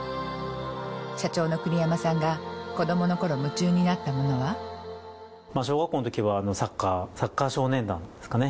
社長の栗山さんが子どもの頃夢中になったものは？小学校のときはサッカーサッカー少年団ですかね。